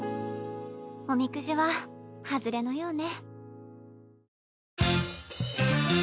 おみくじは外れのようね。